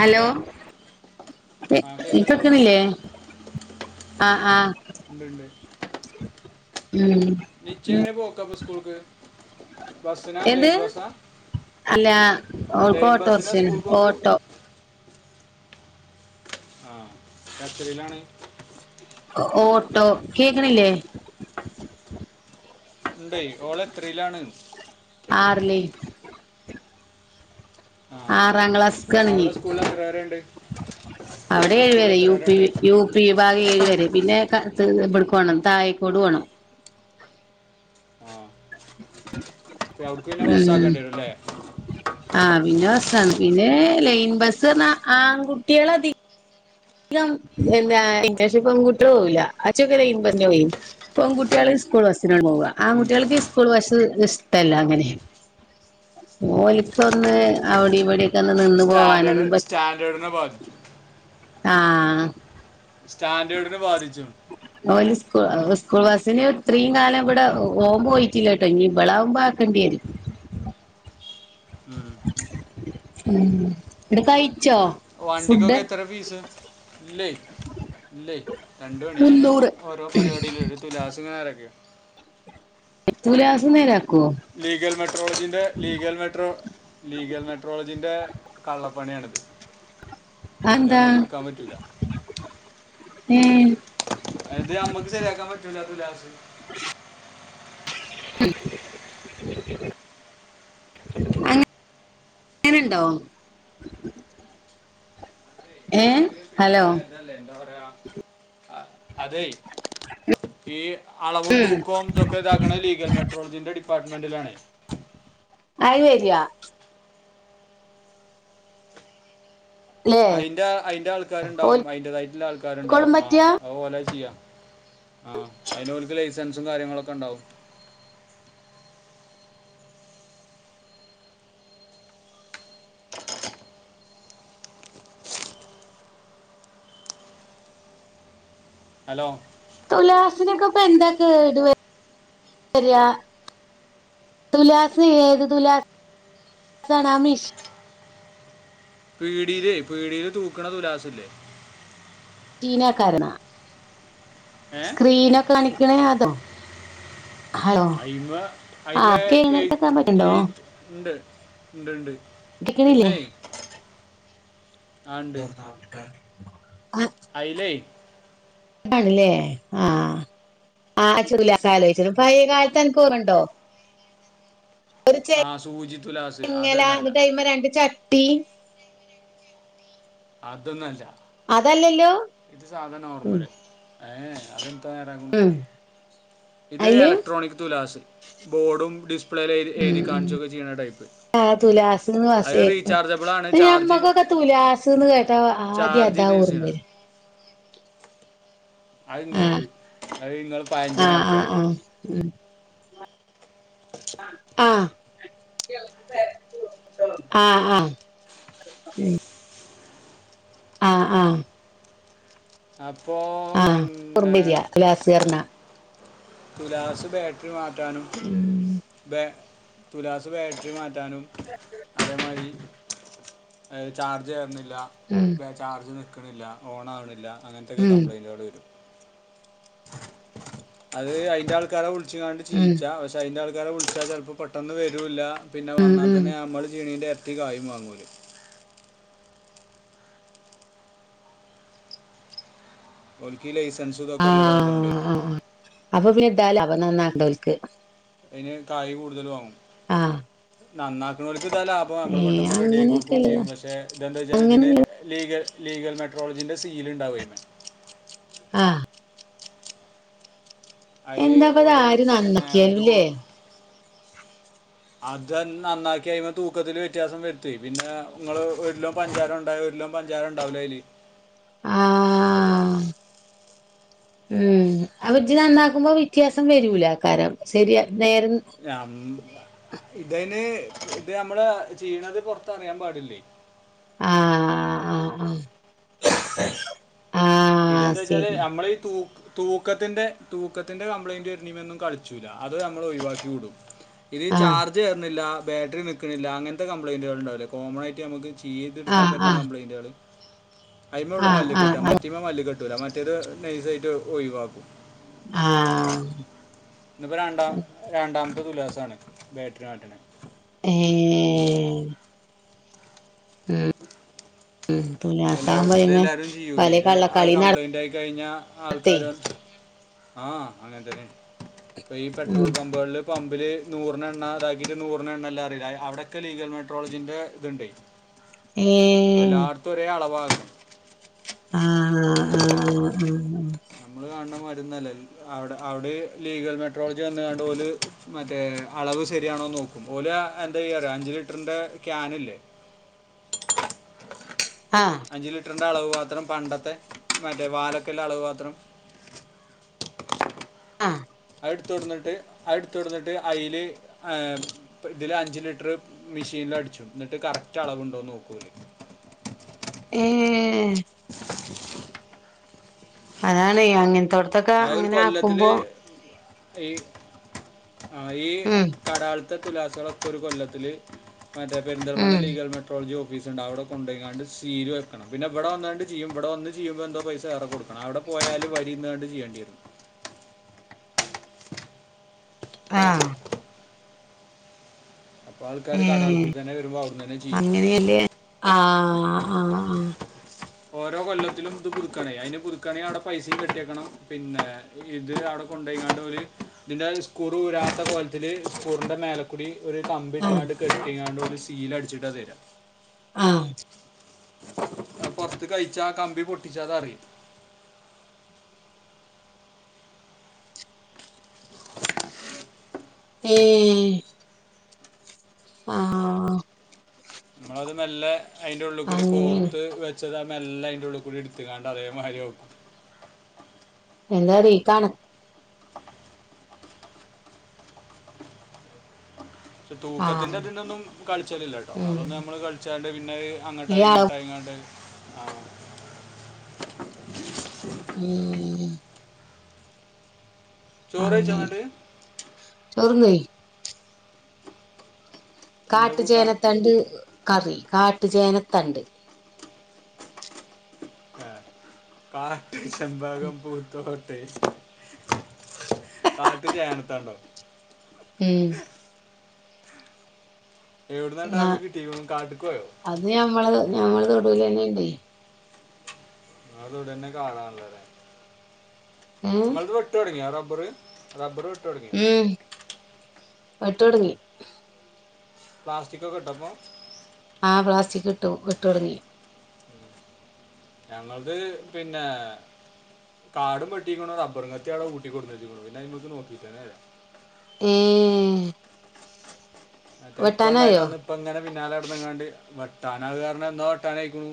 Hello ആ ഇ കേക്കണില്ലേ കേക്ക്ണില്ലെ? ഉണ്ട് ഉണ്ട് ഉം നിശ്ചയ എങ്ങനെ പോക്കപ്പോ സ്കൂൾക്ക് ബസ്സിനാ എന്ത് ലൈൻ ബസ്സാ അല്ലാ ഓൾക്ക് ലൈൻ ബസ്സിനാ ഓട്ടോറ്ക്ഷെയാണ് സ്കൂൾക്ക് പോക്ക് ഓട്ടോ ആഹ് എത്രിയിലാണ്? ഓട്ടോ. കേക്ക്ണില്ലെ? ഉണ് ഓള് എത്രില്ലാണ് [inaudible] ആ ആറാം ക്ലാസ്ക്കാ ഇഞ്ഞി അവിടെ സ്കൂളിൽ എത്ര വരെ ഉണ്ട് അവിടെ ഏഴ് സ്കൂളിൽ വരെ എത്ര യു പി ഉണ്ട് യു പി വിഭാഗം ഏഴ് വരെ പിന്നെ എവിടുക്ക വേണം താായെക്കോടു പോണം ഇപ്പ അവിടക്ക് പിന്നെ ബസ്സ് ആക്കണ്ടി വരും ഇല്ലേ ആ പിന്നെ ബസ്സാണ് പിന്നെ ലൈൻ ബസ് പറഞ്ഞ ആൺകുട്ടികൾതികം ഇ എന്താ ഇന്റേൺഷിപ്പ് പെൺകുട്ടികൾ പോവൂല്ല അജു ഒക്കെ് ലെയ്ൻ ബസ്സ്ന് പോയി പെൺകുട്ടികള് സ്കൂൾ ബസി പോവുക ആ കുട്ടികൾക്ക് സ്കൂൾ ബസ്സ് ഇഷ്ടല്ല അങ്ങനെ ഓലിക്ക ഒന്ന് അവിടെ ഇവിടെ സ്റ്റാൻഡേർഡ് സ്റ്റാൻഡേർഡിനെ ബാധിക്കും ആഹ് സ്റ്റാൻഡേർഡിനെ ബാധിച്ചു സ് സ്കൂൾ ബസ്സിന് ഇത്രീം കാലം ഇവടെ ഓൻ പോയിട്ടില്ലട്ടോ ഇനി ഇ ബളാവകുമ്പോ ആക്കണ്ട്യരും ഉം. ഉം ഇത് കഴിച്ചോ ഫുഡ് വൻണ്ടിക്കോക്കെത്ര ഫീസ് ഇല്ലേയ് ഇല്ലേയ് രണ്ട് മണി ഞൻ മുന്നൂറ് ഓരോ പരിപാടിയില് ഒരു തുലാസങ്ങാരൊക്കെയ എത്തുലാസംന്ന നേരാ ലീഗൽ മെട്രോളജീന്റെ ലീഗൽ മെട്രോ ലീഗൽ മെട്രോളജിന്റെ കള്ളപ്പണിയാണിത് അതെന്താ നമുക്ക് ഇട്ക്കാൻ പറ്റൂല ഉം എ ഇത് അമ്മക്ക് ശെരിയാക്കാൻ പറ്റൂലാ ത്തുലാസ് അങ്ങനെ ഇണ്ടോ ഏഹ് എതല്ലേ എന്താ പറയാ അതെ ഈ അളവും ഉം തൂക്കവും ഇതൊക്കെ ഇതാക്കണ ലീഗൽ മെട്രോളതിന്റെ [unintelligible] പ്പാർട്ട്മന്റിലാണ് അയി വെരാ ല്ലേ അയ്ന്റെ അയ്ന്റെ ആൾക്കാരുണ്ടാവും അയിന്റെതായിട്ടുള്ള ഓൽക്കോളും ആൾക്കാരുണ്ടാവും ആ പറ്റാ അതുപോലെ ചെയ്യാ ആ അയ്ന് ഓൽക് ലൈസൻസും കാര്യങ്ങളൊക്കെ ണ്ടാവും ഹലോ തുലാസിനൊക്കെ ഇപ്പൊ എന്താ കേട് വര് വരാ തുലാസ് ഏത് തുലാ സാനാ മിശി പീടിയിലേ പീടിയില് തൂക്ക്ണ തുലാസ്ല്ലേ ടീന കാരന്നാ ഏ സ്ക്രീനോക്കെ കാണി [unintelligible] അതോ ഹലോ ഹൈമേ ഹൈമേ ആഹ് കേക്കാൻ എയ്ത്ത് പറ്റണ്ടോ എയ്ത്ത് ഇണ്ട് ഇണ്ട് കേക്കണില്ലേ പിന്നെ [unintelligible] അയ്ല്ലേ ണ് ല്ലേ ആ ആ ചൂല കാലോച്ച്നേ പയെ കാലത്ത് അൻക് ഓർമണ്ടോ ഒരു ചെ ആ സൂചി തുലാസ് ങ്ങല അതെന്നല്ല ഇങ്ങട്ട് ഐമേ രണ്ട് ച അതൊന്നല്ല അതല്ലല്ലോ ഇത് സാധാ ഉം നോർമല് ഏ യെ ഉം [unintelligible] ഇത് അയില് എലക്ട്രോണിക് തുലാസ് ബോഡും [unintelligible] ഉം [unintelligible] ഉം കാണിച്ചൊക്കെ ചെയ്യ്ണ ടൈപ്പ് ആഹ് തുലാസ്ന്ന് അത് വാസേക്കും റീചാർജബിളാ ആണ് ചാർജ് ന്ന് കേട്ട ആദ്യം ചാർജ് അതാ ചെയ്ത് യൂസ് ചെയ്യണം ഓർമ്മരാ അത് ആഹ് ഇങ്ങക്ക് അത് ഇങ്ങള് പയഞ്ചൻ ആഹ് ആഹ് ആൾക്കാർക്ക് ആഹ് ഉം ആ ആ ആ ആ അപ്പ് പോ പിന്നെ ഓർമ്മരിയ ഗ്ലാസ്ർന തുലാസ് ബേ മാറ്റാനും ഉം ബേ തുലാസ് വേറ്ററി മാ ട്ടാനും അതേമാരി അഹ് ചാർജ് ഉം കേർ [unintelligible] ചാർജ് ക്ണില്ല ഓണക്ണില്ല അങ്ങനത്തെക്കെ ഉം കംപ്ലയ്ന്റുകൾ വരും അത് അയ്ന്റെ ആൾക്കാര് വി [unintelligible] ഉം ചീച്ച പക്ഷെ അയിന്റെ [unintelligible] [unintelligible] വിളിച്ചാൽ ചിലപ്പോൾ പെട്ടെന്ന് വരുല പിന്നെ ഉം വന്നാൽ ഉം തന്നെ നമ്മൾ ചീണീ [unintelligible] കായം വാങ്ങൂല [unintelligible] സെൻസു ഇതൊക്കെല്ലതായതോണ്ടേ ഏലാവന ന്നാ [unintelligible] ൽക്ക് അതിന് കായി കൂടുതലു ആവും ആഹ് നന്നാക്ക്ണോൽ ഇതാ ലാഭം അമ്മൾ ഏഹ് പെട്ടെന്ന് റെഡിയാ ക്കി കൊടുക്കുകയും അങ്ങനെയൊക്കെല്ലതാ ചെയ്യും പക്ഷേ ഇതെന്താ വെച്ചാൽ ഇതിന് അങ്ങനെ ലീഗൽ ലീഗൽ മെട്രോളജീന്റെ സീൽ ഇണ്ടവുവെ ആഹ് അയി എന്താപ്പത് ഓല ആര് പിന്നെ ദോ നന്നാക്കിയാലുംല്ലേ അത് നന്നാക്കി അയ്പ തൂക്കത്തില് വ്യത്യാസം വരുത്തി പിന്നെ നിങ്ങള് ഒലും പഞ്ചാര ഉണ്ടായി ഒലും പഞ്ചാരം ഉണ്ടാവില്ല അല് ആഹ് ഉം അവജ നന്നാക്കുമ്പോ വ്യത്യാസം വരൂല ആ കാരം ശരിയ നേരം അം ഇതന് ഇത് നമ്മള് ചെയ്യണത് പുറത്ത അറിയാൻ പാടില്ലേ ആഹ് ആഹ് ആഹ് ആഹ് ഇതെന്താ വെച്ചാല് ശരി നമ്മളീഈ തൂ തൂക്കത്തിന്റെ തൂക്കത്തിന്റെ കംപ്ലൈന്റ് വരണ ഒന്നും കളിച്ചൂല്ല അത് നമ്മൾ ഒയി വാക്കി വിടും ഇനി ആഹ് ചാർജ് കേറുന്നില്ല ബാറ്ററി നിൽക്കുന്നില്ല അങ്ങത്തെ കപ്ലയിൻ്റൾ ഉണ്ടാവില്ലോ കോമണായിട്ട് നമുക്ക് [unintelligible] ആ ഇയ്തടുക്ക്ൻ ആ പറ്റുന്ന കംപലയിൻറ് കള് അയിമേ ഉള്ള ആ ആ മല്ലികെട്ടാ മ ആ കെട്ടൂല മറ്റേത് നൈസായിട്ട് ഒഴിവാക്കും ആഹ് ഇന്ന്പ്പോ രണ്ടാം രണ്ടാം [unintelligible] ഉല്ലാസാണ് ബാറ്ററി മാറ്റണെ ഏഹ് ആഹ് എല്ലാരും ഇതെല്ലാരും ചെയ്യൂലേ ഇത അ കള്ളക്കളി കംപ്ലൈയിന്റ് ആയി കഴിഞ്ഞാ നടത്തേ ആൾക്കാര് ആഹ് അങ്ങൻ തന്നേ പ്പ ഈ പെട്രോൾ ഉം പമ്പുകൾല് പമ്പില് നൂറിനെണ്ണ അതാക്കിട്ട് നൂറിനെണ്ണ ഇല്ല അറിയില്ലേ അയ് അവിടൊക്കെ ലീഗൽ മെട്രോളജീന്റെ ഇത്ണ്ടേയ് ഏഹ് എളവാഗം ആഹ് ആഹ് ആഹ് ആഹ് ഹാ ര്ന്നാലെൽ അവടെ അവട് ലീഗൽ മെട്രോളജി വന്ന്ങ്ങാണ്ട് ഓല് മറ്റേ അളവ് ശരിയാണോ ന്നോക്കും ഓല് എന്തെയ്യാറിയോ അഞ്ച്ലിറ്ററിന്റെ കേനില്ലേ ആ ആ അഞ്ച് ലിറ്റർ ന്നളവ് പാത്രം പണ്ടത്തെ മറ്റേ വാലൊക്കിള്ള അളവ് പാത്രം ആഹ് എടുത്തുട്ന്ന്ട്ട് അ ഇട്ത്തൊട്‌ന്നിട്ട് അയില് ഏഹ് ഇതിലഞ്ച് ലിറ്റ്റ് മിഷേനിലടിച്ചു ന്ന്ട്ട് കറക്റ്റ് അളവുണ്ടോനോക്കു ഓല് ഏഹ് അതാണെ യങ്ങൻ തൊട്ത്തൊക്കെ ആ ഒരു കൊല്ലത്തില് അങ്ങനാക്കുമ്പോ ഈ ആ ഈ ഉം കരാൾ ത്ത ത്തുലാസേളക്കൊരു കൊല്ലത്തില് മറ്റേ പെരിന്തൽമണ്ണ ഉം ലീഗൽ മെട്രോളജി ഓ ഫീസ് ണ്ട്. അവിടെ കൊണ്ടോയിങ്ങാണ്ട് സീല് വെക്കണം പിന്നെ ഇവടെ വന്നാണ്ട് ചെയ്യും ഇവിടെ വന്ന് ചെയ്യുമ്പോ എന്തോ പൈസ ഏറ കൊടുക്കണം അവിടെ പോയാല് വരിന്നാണ്ട് ചെയ യ്യണം. ആഹ് അപ്പൊ ആൾക്കാര് ഏ കടാൾക്കൂടിതന്നെ വരുമ്പോ അവ്ട്ന്നനെ ചെയ്യും. ആഹ് ആഹ് ഓരോ കൊല്ലത്തിലും ഇത് പുതുക്കണെ. അയ്ന് പുതുക്കണെ അവിടെ പൈസിം കെട്ടിയേക്കണം പിന്നെ ഇത് അവിടെ കൊണ്ടോയിങ്ങാണ്ട് ഒര് ഇതിന്റെ സ്കൂറൂ ഊരാത്ത കോലത്തില് സ്കൂറിന്റെ മേലക്കുടി ഒര് ആ കമ്പിട്ടിങ്ങാണ്ട് കെട്ടിങ്ങാണ്ട് ഓല് സീൽ അടിച്ചിട്ടാ തെരാ. ആഹ് പൊറത്ത് കയ്ച്ചാ കമ്പി പൊട്ടിച്ചാതറിയും ഏഹ് ആഹ് നിങ്ങളത് മെല്ലെ അയ്ന്റെ ഉള്ളിക്കൂടി അങ്ങനെയാണ് കോർത്ത് വെച്ച തെ മെല്ലെ അയ്ന്റെ ഉള്ളികൂടി എടുത്ത്ങ്ങാണ്ട് അതേമാരി വെക്കും എന്താറീക്കാണ് ആ തൂക്കത്തിൻ്റെതിനൊന്നും കളിച്ചലില്ലട്ടോ ഉം അതൊന്നും നമ്മള് കളിച്ചാണ്ട് പിന്നെ അങ്ങട്ടായി ഇയാള ഇങ്ങട്ടായിങ്ങാണ്ട് ആഹ് ഉം ചോറ് കഴിച്ചോ അങ്ങനെ എന്നിട്ട് ചോറ്ന്ന് എന്താ കാട്ടു കൂട്ടാൻ ചേനത്തണ്ട് കറി കാട്ടുചേനത്തണ്ട് ആ കാ ശെമ്പകം പൂത്തോ പേസ് കാട്ടു ചേനത്തണ്ടോ ഉം എവിടുന്നാണ്ട് ന്നാ ആകെ കിട്ടിയിരിക്കുന്നു കാട്ടിക്ക് പോയോ അത് ഞമ്മളത് ഞങ്ങള് [unintelligible] അതോവിടന്നെ കാണാള്ളെതേ ഏ ങ്ങൾത് വെട്ടൊട് ങ്ങിയാ റബ് ബ്ബറ് റബ്ബറ് വെ ട്ടൊടങ്ങിയോ വട്ടൊടങ്ങി പ്ലാസ്റ്റിക്കൊക്കെ ഇട്ടപ്പോ ആ പ്ലാസ്റ്റിക്കിട്ടു വെട്ടൊടങ്ങി ഞങ്ങള്ത് പിന്നെ കാടും വെട്ടിക്കുണു റബ്ബറും കത്തിയവടെ ഊട്ടി കൊട്ന്നേച്ച്ക്ക്‌ണു പിന്നെ അതിമ്മക്ക് നോക്കീട്ടന്നല്ല ഏ മറ്റേത് വെട്ടാനായോ ഇപ്പണ്ടായിന്നന്ന് ഇപ്പങ്ങനെ പിന്നാലെ നടന്ന്ങ്ങാണ്ട് വെ ട്ടാനായത് കാരണം എന്നോവെട്ടാനായിക്കുണു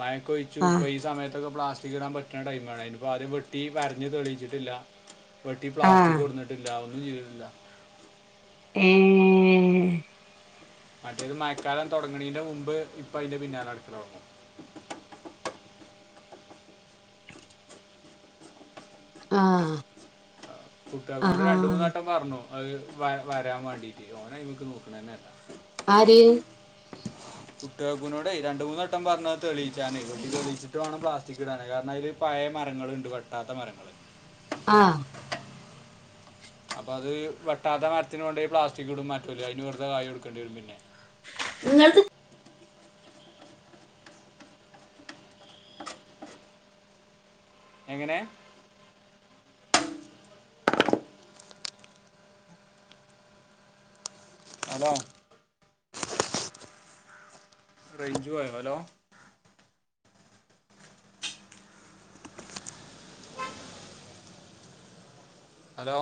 മയക്കൊയ്ച്ചു ആഹ് പ്പ ഈസമേ ട്ടൊക്കെ പ്ലാസ്റ്റിക് ഇടാൻ പറ്റാണ്ടായി മഴയിന് പ്പോ അദ്യം വെട്ടി വരഞ്ഞ് തെളിയിച്ചിട്ടില്ല വെട്ടി ആഹ് പ്ലാസ്റ്റിക്കൊട്ന്നിട്ടില്ല ഒന്നും ചീതിട്ടില്ല ഏ മറ്റേത് മയക്കാലം തുടങ്ങണീന്റെ മുമ്പ് ഇപ്പ അയിന്റെ പിന്നാലെടക്കലൊടങ്ങും ആ കുട്ടുകാക്കുനോട്‌ രണ്ടു മൂന്നാട്ടം പറഞ്ഞു അത് വ വരാൻ വേണ്ടിയിട്ട് ഓനയ്മ്മേക്ക് നോക്കണന്നെല്ല ആര് കുട്ടുകാക്കുനോടെ രണ്ട് മൂന്നട്ടം പറഞ്ഞത് തെളിയിച്ചാനേയ് ഓൽക്‌ തെളീച്ചിട്ട് വാണം പ്ലാസ്റ്റിക് ഇടാന് കാരണം അയില് പയേ മരങ്ങളുണ്ട് വെട്ടാത്ത മരങ്ങള് ആ അപ്പൊ അത് വെട്ടാത്ത മരത്തിന് കൊണ്ടോയി പ്ലാസ്റ്റിക് ഇടുംമറ്റോല് അയിന് വെറുതെ കായ് കൊടുക്കേണ്ടി വരും പിന്നെ ങ്ങൾത് എങ്ങനെ ഹലോ റേഞ്ച്ഓയോ ഹലോ ഹലോ